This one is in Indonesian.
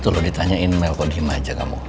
itu lo ditanyain mel kodima aja kamu